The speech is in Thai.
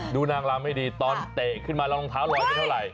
ดูนางรามให้ดีตอนเตะขึ้นมารองเท้าลอยไปเท่าไหร่